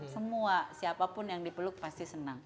semua siapapun yang dipeluk pasti senang